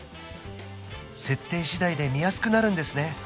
設定次第で見やすくなるんですね